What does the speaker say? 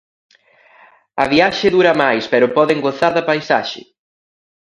A viaxe dura máis pero poden gozar da paisaxe.